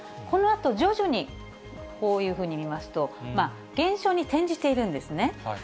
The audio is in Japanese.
このあと、徐々にこういうふうに見ますと、減少に転じているんですね。